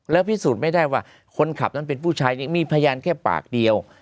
แล้วพิสูจน์ไม่ได้ว่าคนขับนั้นเป็นผู้ชายมีพยานแค่ปากเดียว